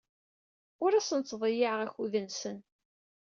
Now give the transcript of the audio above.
Ur asen-ttḍeyyiɛeɣ akud-nsen.